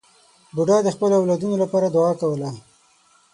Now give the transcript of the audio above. بوډا د خپلو اولادونو لپاره دعا کوله.